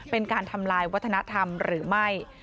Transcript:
เป็นการทำลายวัฒนธรรมหรือไม่